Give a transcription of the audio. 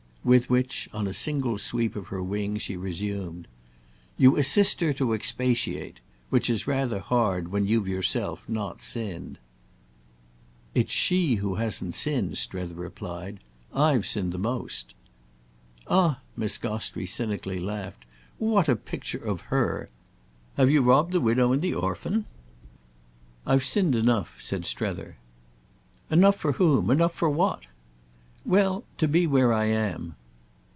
With which, on a single sweep of her wing, she resumed. "You assist her to expiate—which is rather hard when you've yourself not sinned." "It's she who hasn't sinned," Strether replied. "I've sinned the most." "Ah," Miss Gostrey cynically laughed, "what a picture of her! Have you robbed the widow and the orphan?" "I've sinned enough," said Strether. "Enough for whom? Enough for what?" "Well, to be where I am."